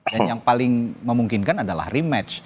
dan yang paling memungkinkan adalah rematch